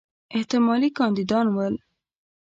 احتمالي کاندیدان ول.